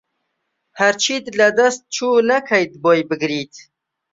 هەرچیت لەدەست چو نەکەیت بۆی بگریت